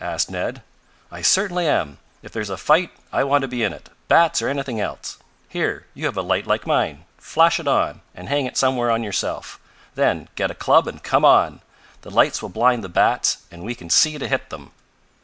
asked Ned. "I certainly am! If there's a fight I want to be in it, bats or anything else. Here, you have a light like mine. Flash it on, and hang it somewhere on yourself. Then get a club and come on. The lights will blind the bats, and we can see to hit 'em!"